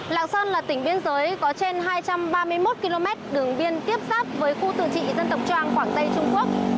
lạng sơn là tỉnh biên giới có trên hai trăm ba mươi một km đường biên tiếp giáp với khu tự trị dân tộc trang quảng tây trung quốc